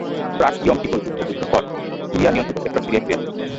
প্রাক-ইয়ম কিপুর যুদ্ধ যুদ্ধের পর সিরিয়া-নিয়ন্ত্রিত সেক্টর সিরিয়ায় ফিরে আসে।